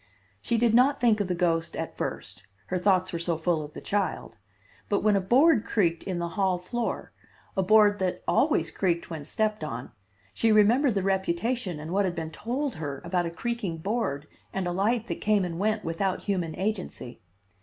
She did not think of the ghost at first, her thoughts were so full of the child; but when a board creaked in the hall floor, a board that always creaked when stepped on, she remembered the reputation and what had been told her about a creaking board and a light that came and went without human agency.